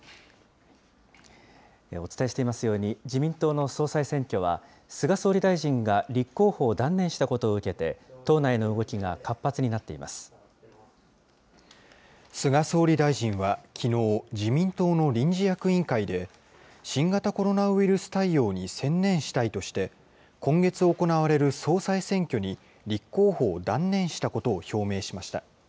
お伝えしていますように、自民党の総裁選挙は、菅総理大臣が立候補を断念したことを受けて、党内の動きが活発に菅総理大臣はきのう、自民党の臨時役員会で、新型コロナウイルス対応に専念したいとして、今月行われる総裁選挙に立候補を断念したことを表明しました。